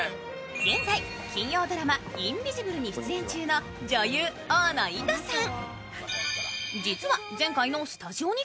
現在、金曜ドラマ「インビジブル」に出演中の大野いとさん。